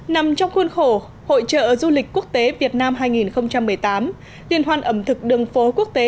nằm trong khuôn khổ hội trợ du lịch quốc tế việt nam hai nghìn một mươi tám liên hoan ẩm thực đường phố quốc tế